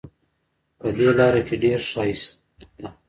په دې لاره کې ډېر ښایست ده